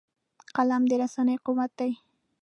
قلم د رسنۍ قوت دی